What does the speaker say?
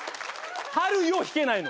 「春よ」弾けないの。